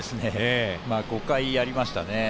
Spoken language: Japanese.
５回やりましたね。